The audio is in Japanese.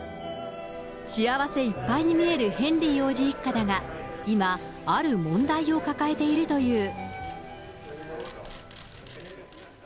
幸せいっぱいに見えるヘンリー王子一家だが、今、ある問題を抱えているという。